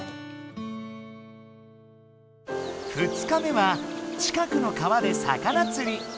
２日目は近くの川で魚つり。